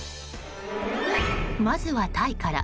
まずはタイから。